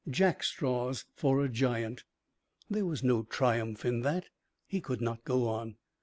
Jackstraws for a giant. There was no triumph in that. He could not go on.